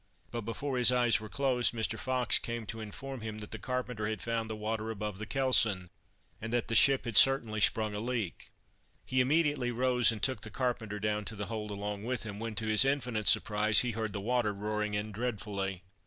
But before his eyes were closed, Mr. Fox came to inform him that the carpenter had found the water above the kelson, and that the ship had certainly sprung a leak; he immediately rose and took the carpenter down to the hold along with him, when, to his infinite surprise, he heard the water roaring in dreadfully.